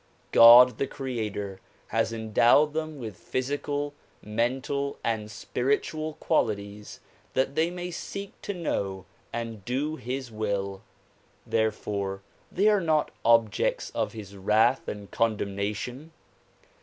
God the creator has endowed them with physical, mental and spiritual qualities that they may seek to know and do his will; therefore they are not objects of his wrath and condemnation.